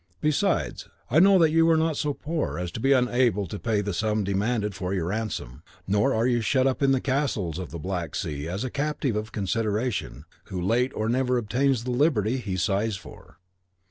Besides, I know that you are not so poor as to be unable to pay the sum demanded for your ransom; nor are you shut up in the castles of the Black Sea as a captive of consideration, who late or never obtains the liberty he sighs for.